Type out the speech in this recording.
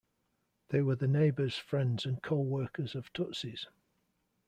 They were the neighbours, friends and co-workers of Tutsis.